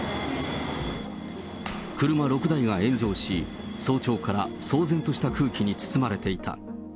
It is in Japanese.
車６台が炎上し、早朝から騒然とした空気に包まれていた。